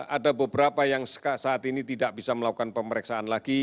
ada beberapa yang saat ini tidak bisa melakukan pemeriksaan lagi